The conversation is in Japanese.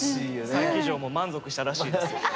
佐伯嬢も満足したらしいです。